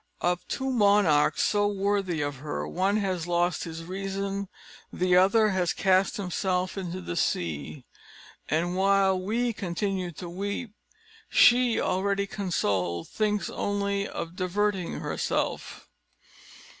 Of two monarchs so worthy of her, one has lost his reason, the other has cast himself into the sea; and while we continue to weep, she, already consoled, thinks only of diverting herself!"